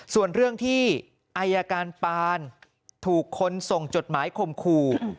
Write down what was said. ส่วนเรื่องที่อายการปานถูกคนส่งจดหมายคมคู่